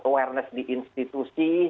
awareness di institusi